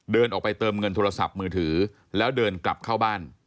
เดินออกไปเติมเงินโทรศัพท์มือถือแล้วเดินกลับเข้าบ้าน